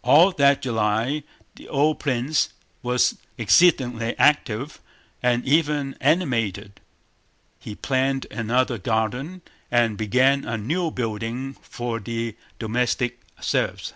All that July the old prince was exceedingly active and even animated. He planned another garden and began a new building for the domestic serfs.